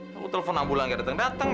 lalu telpon ambulan gak dateng dateng